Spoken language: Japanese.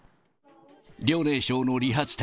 遼寧省の理髪店。